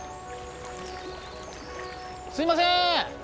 すいませーん！